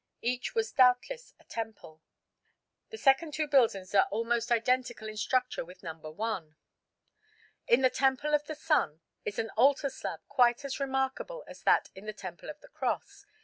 Each was doubtless a temple. The second two buildings are almost identical in structure with No. 1. In the Temple of the Sun is an altar slab quite as remarkable as that in the Temple of the Cross.